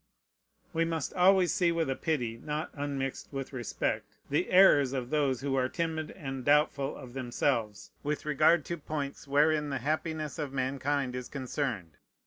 We must always see with a pity not unmixed with respect the errors of those who are timid and doubtful of themselves with regard to points wherein the happiness of mankind is concerned.